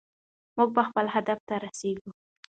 موږ به خپل هدف ته رسېږو.